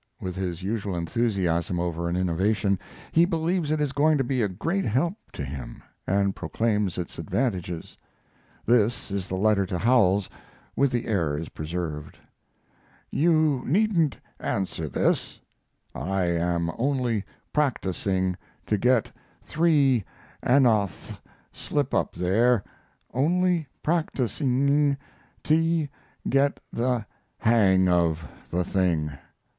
With his usual enthusiasm over an innovation, he believes it is going to be a great help to him, and proclaims its advantages. This is the letter to Howells, with the errors preserved: You needn't answer this; I am only practicing to get three; anothe slip up there; only practici?ng ti get the hang of the thing.